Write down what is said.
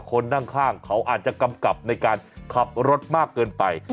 คนนั่งข้างเขาอาจจะกำกับในการขับรถมากเกินไป